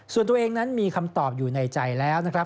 ส่วนตัวเองนั้นมีคำตอบอยู่ในใจแล้วนะครับ